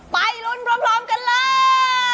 ไปลุ้นพร้อมกันเลย